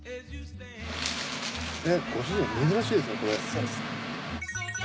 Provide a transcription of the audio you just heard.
えご主人めずらしいですねこれ。